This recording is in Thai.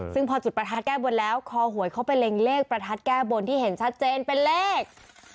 ซึ่งพอจุดประทัดแก้บนแล้วคอหวยเขาไปเล็งเลขประทัดแก้บนที่เห็นชัดเจนเป็นเลข